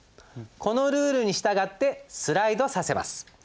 このルールに従ってスライドさせます。